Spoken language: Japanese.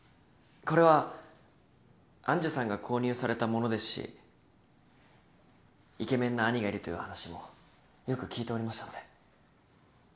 これは愛珠さんが購入されたものですしイケメンな兄がいるという話もよく聞いておりましたので。